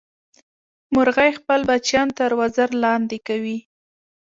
مورغۍ خپل بچیان تر وزر لاندې کوي